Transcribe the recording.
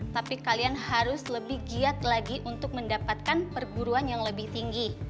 tapi kalian harus lebih giat lagi untuk mendapatkan perburuan yang lebih tinggi